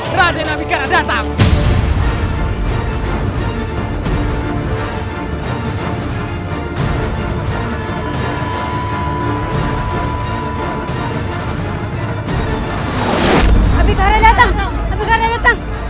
kemasin bareng kalian